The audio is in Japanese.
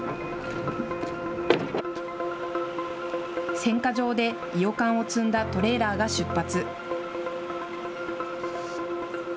選果場でいよかんを積んだトレーラーが出発。